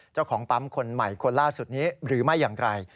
เจ้าของปั๊มคนใหม่คนล่าสุดนี้หรือไม่อย่างไร